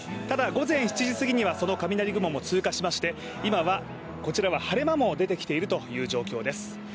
ただ午前７時すぎにはその雷雲も通過しまして今はこちらは晴れ間も出てきている状況です。